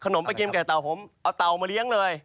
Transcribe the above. ขนมกินกับไตเเตาผมเอาเเตามาเลี้ยงเลย